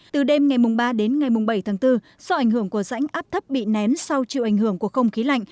từ đêm ngày ba đến ngày bảy tháng bốn do ảnh hưởng của rãnh áp thấp bị nén sau chịu ảnh hưởng của không khí lạnh